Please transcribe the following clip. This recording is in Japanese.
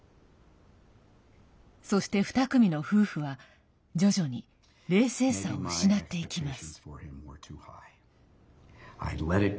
そして、２組の夫婦は徐々に冷静さを失っていきます。